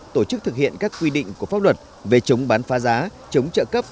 tổ chức thực hiện các quy định của pháp luật về chống bán phá giá chống trợ cấp